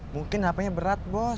mungkin apanya berat bos